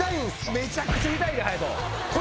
めちゃくちゃ痛いぞ。